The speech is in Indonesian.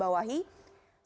yang juga harus digarisbawahi